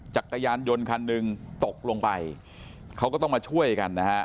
จักรยานยนต์คันหนึ่งตกลงไปเขาก็ต้องมาช่วยกันนะฮะ